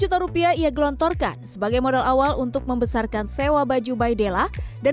juta rupiah ia gelontorkan sebagai modal awal untuk membesarkan sewa baju bayi della dan